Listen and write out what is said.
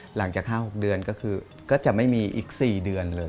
หลังจาก๕๖เดือนก็คือก็จะไม่มีอีก๔เดือนเลย